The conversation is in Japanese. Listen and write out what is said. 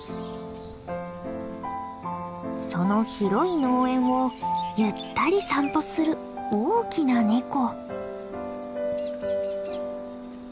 その広い農園をゆったり散歩する大きなネコ。